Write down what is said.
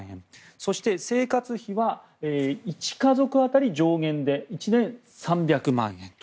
そして、生活費は１家族当たり上限で１年３００万円と。